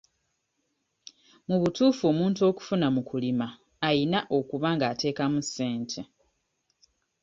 Mu butuufu omuntu okufuna mu kulima ayina okuba ng'ateekamu ssente.